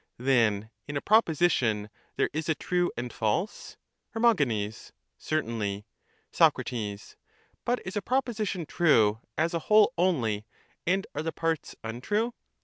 Then in a proposition there is a true and false? Her. Certainly. Soc. But is a proposition true as a whole only, and are the parts untrue?